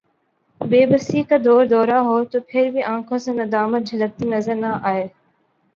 بے بسی کا دوردورہ ہو تو پھربھی آنکھوں سے ندامت جھلکتی نظر نہ آئے